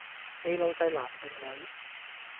你老細男定女？